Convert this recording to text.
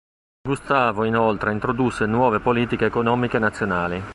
Gustavo inoltre introdusse nuove politiche economiche nazionali.